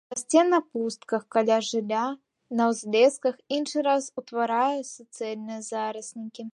Расце на пустках, каля жылля, на ўзлесках, іншы раз утварае суцэльныя зараснікі.